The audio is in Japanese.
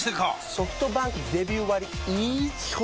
ソフトバンクデビュー割イズ基本